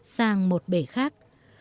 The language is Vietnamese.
sang một bể khác